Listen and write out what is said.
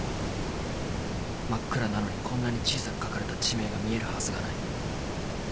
真っ暗なのにこんなに小さく書かれた地名が見えるはずがない。